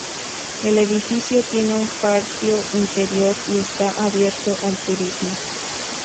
El edificio tiene un patio interior y está abierto al turismo.